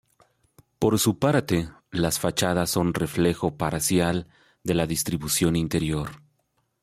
Por su parte, las fachadas son reflejo parcial de la distribución interior.